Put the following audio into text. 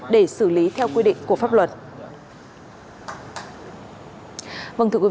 để xử lý theo quy định của pháp luật